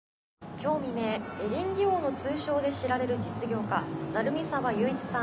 今日未明「エリンギ王」の通称で知られる実業家成見沢祐市さん